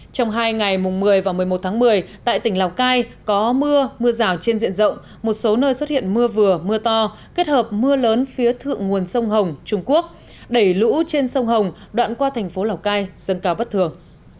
trong hai ngày một mươi và một mươi một tháng một mươi tại tỉnh lào cai có mưa mưa rào trên diện rộng một số nơi xuất hiện mưa vừa mưa to kết hợp mưa lớn phía thượng nguồn sông hồng trung quốc đẩy lũ trên sông hồng đoạn qua thành phố lào cai sơn cao bất thường